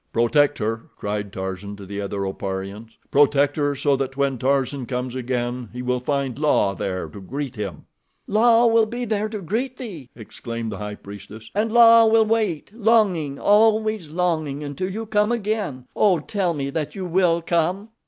"Protect her," cried Tarzan to the other Oparians. "Protect her so that when Tarzan comes again he will find La there to greet him." "La will be there to greet thee," exclaimed the High Priestess, "and La will wait, longing, always longing, until you come again. Oh, tell me that you will come!"